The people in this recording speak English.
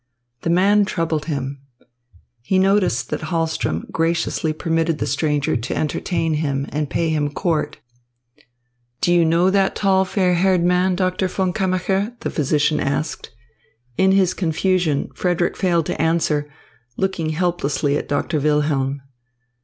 The man troubled him. He noticed that Hahlström graciously permitted the stranger to entertain him and pay him court. "Do you know that tall, fair haired man, Doctor von Kammacher?" the physician asked. In his confusion Frederick failed to answer, looking helplessly at Doctor Wilhelm.